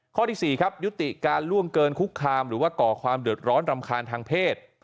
ข้อที่๔ครับยุติการล่วงเกินคุกคามหรือว่าก่อความเดือดร้อนรำคาญทางเพศ